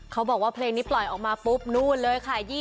เขาบอกว่าเพลงนี้ปล่อยออกมาปุ๊บนู่นเลยค่ะ